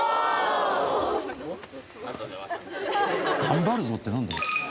「頑張るぞ」ってなんだろ？